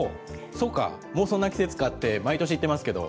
そうか、もうそんな季節かって、毎年言ってますけど。